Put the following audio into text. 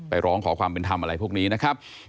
ร้องขอความเป็นธรรมอะไรพวกนี้นะครับ